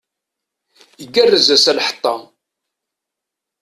Igerrez-as lḥeṭṭa.